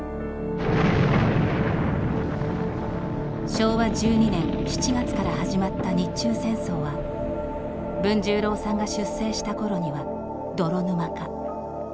昭和１２年７月から始まった日中戦争は文十郎さんが出征したころには泥沼化。